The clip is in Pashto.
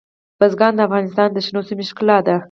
بزګان د افغانستان د شنو سیمو ښکلا ده.